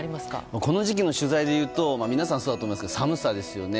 この時期の取材でいうと皆さん、そうだと思いますが寒さですよね。